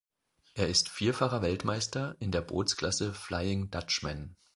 Er ist vierfacher Weltmeister in der Bootsklasse Flying Dutchman.